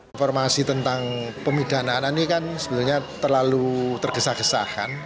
informasi tentang pemidanaan ini kan sebenarnya terlalu tergesa gesa kan